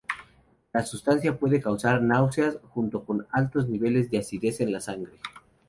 La sustancia puede causar náuseas, junto con altos niveles de acidez en la sangre.